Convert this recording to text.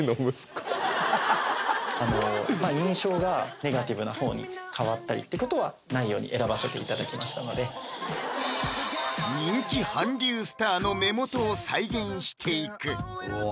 あの印象がネガティブなほうに変わったりってことはないように選ばせていただきましたので人気韓流スターの目元を再現していくうわ